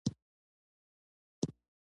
غر څه هر څومره لوړ وی په سر ئي لاره وی